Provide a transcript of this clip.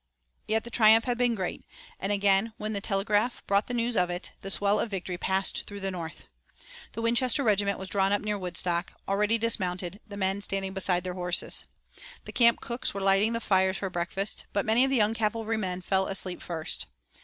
Yet the triumph had been great, and again, when the telegraph brought the news of it, the swell of victory passed through the North. The Winchester regiment was drawn up near Woodstock, already dismounted, the men standing beside their horses. The camp cooks were lighting the fires for breakfast, but many of the young cavalrymen fell asleep first.